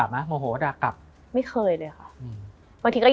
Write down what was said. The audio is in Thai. มันทำให้ชีวิตผู้มันไปไม่รอด